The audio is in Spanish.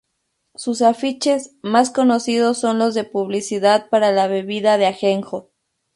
Sus afiches más conocidos son los de publicidad para la bebida de ajenjo.